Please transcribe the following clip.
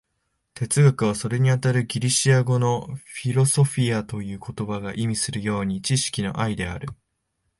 哲学は、それにあたるギリシア語の「フィロソフィア」という言葉が意味するように、知識の愛である。